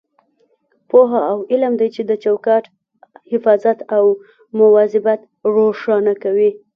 پوهه او علم دی چې د چوکاټ حفاظت او مواظبت روښانه کوي.